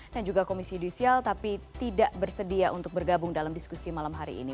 dan juga komisi judisial tapi tidak bersedia untuk bergabung dalam diskusi malam hari ini